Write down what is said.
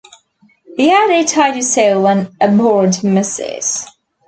He had a tidy soul and abhorred messes.